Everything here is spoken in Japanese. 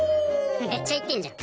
めっちゃ言ってんじゃん。